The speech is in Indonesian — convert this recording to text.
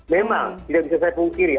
memang tidak bisa saya pungkiri